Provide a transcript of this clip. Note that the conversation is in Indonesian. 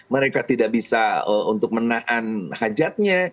mereka tidak bisa untuk menahan hajatnya